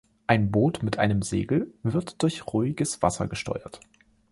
Ein Boot mit einem Segel wird durch ruhiges Wasser gesteuert.